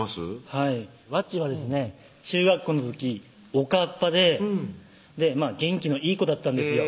はいわっちはですね中学校の時おかっぱで元気のいい子だったんですよ